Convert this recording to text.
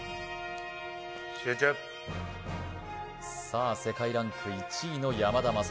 集中さあ世界ランク１位の山田優